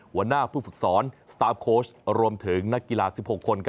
หัวหน้าผู้ฝึกสอนสตาร์ฟโค้ชรวมถึงนักกีฬา๑๖คน